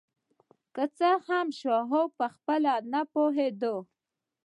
که څه هم شواب پخپله نه پوهېده